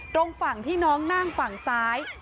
ตรงฝั่งที่น้องนั่งฝั่งซ้าย